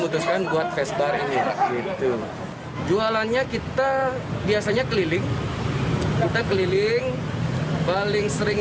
lakukan buat vesbar ini gitu jualannya kita biasanya keliling kita keliling paling sering